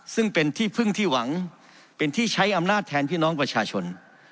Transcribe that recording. ซึ่งเป็นที่พึ่งที่หวังเป็นที่ใช้อำนาจแทนพี่น้องประชาชน